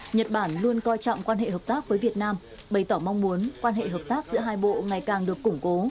nhật bản luôn coi trọng quan hệ hợp tác với việt nam bày tỏ mong muốn quan hệ hợp tác giữa hai bộ ngày càng được củng cố